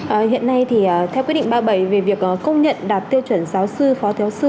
hiện nay thì theo quyết định ba mươi bảy về việc công nhận đạt tiêu chuẩn giáo sư phó giáo sư